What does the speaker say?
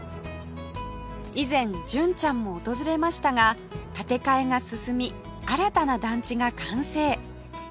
以前純ちゃんも訪れましたが建て替えが進み新たな団地が完成